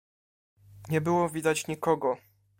"Nie było widać nikogo."